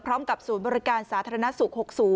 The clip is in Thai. พร้อมกับศูนย์บริการสาธารณสุข๖๐